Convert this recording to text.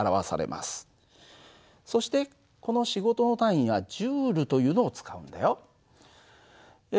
そしてこの仕事の単位はＪというのを使うんだよ。